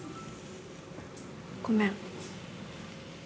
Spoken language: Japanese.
ごめん。